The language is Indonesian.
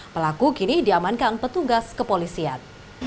pelaku kini diamankan petugas kepolisian